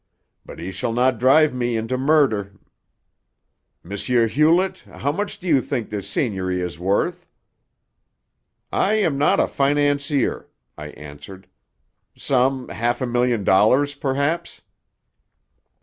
But he shall not drive me into murder. M. Hewlett, how much do you think this seigniory is worth?" "I am not a financier," I answered. "Some half a million dollars, perhaps."